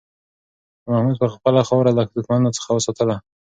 شاه محمود به خپله خاوره له دښمنانو څخه ساتله.